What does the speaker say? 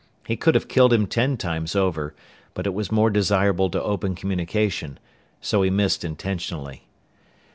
He could have killed him ten times over, but it was more desirable to open communication. So he missed intentionally.